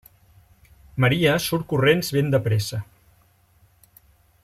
Maria surt corrents ben de pressa.